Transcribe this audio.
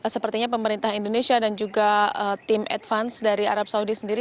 sepertinya pemerintah indonesia dan juga tim advance dari arab saudi sendiri